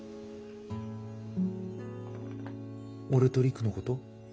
俺と璃久のこと？